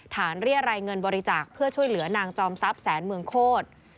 เรียรายเงินบริจาคเพื่อช่วยเหลือนางจอมทรัพย์แสนเมืองโคตร